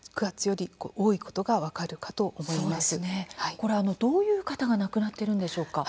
これ、どういう方が亡くなっているんでしょうか。